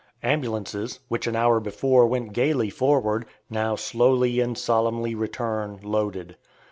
Ambulances, which an hour before went gayly forward, now slowly and solemnly return loaded.